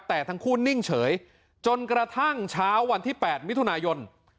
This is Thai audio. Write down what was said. แต่ทั้งคู่นิ่งเฉยจนกระทั่งเช้าวันที่๘มิถุนายน